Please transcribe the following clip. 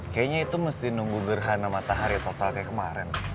kayaknya itu mesti nunggu gerhana matahari total kayak kemarin